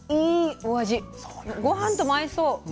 ごはんとも合いそう。